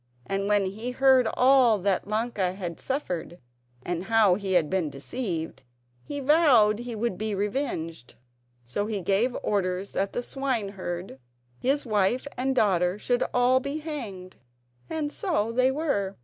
And when he heard all that Ilonka had suffered, and how he had been deceived, he vowed he would be revenged; so he gave orders that the swineherd, his wife and daughter should all be hanged; and so they were.